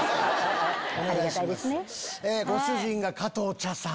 ご主人が加藤茶さん。